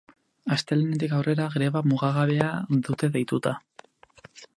Astelehenetik aurrera greba mugagabea dute deituta.